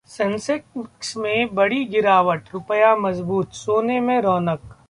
Sensex में बड़ी गिरावट, रुपया मजबूत, सोने में रौनक